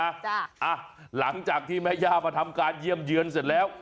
อ่ะหลังจากที่แม่ย่ามาทำการเยี่ยมเยือนเสร็จแล้ว